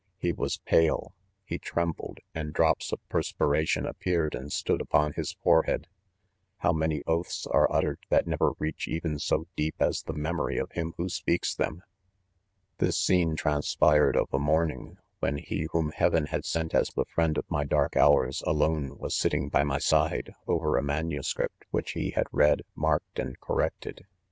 — He was pale, he trembled, and drops of perspi ration appeared and stood upon his forehead — How many oaths are littered that never reach even so deep as the memory of him who speaks them ! *This scene transpired of a morning, when he whom heaven had sent as* the friend of my dark hours, alone, was sitting, by my side, over a MSS.. which he had read, marked, and cor rected.